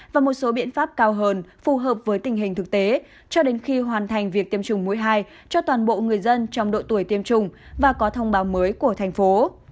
và một số biện pháp cao hơn phù hợp với tình hình thực tế cho đến khi hoàn thành việc tiêm chủng mũi hai cho toàn bộ người dân trong độ tuổi tiêm chủng và có thông báo mới của thành phố